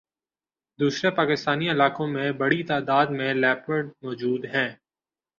دوسرے پاکستانی علاقوں میں بڑی تعداد میں لیپرڈ موجود ہیں